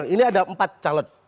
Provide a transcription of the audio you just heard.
ini ada empat calon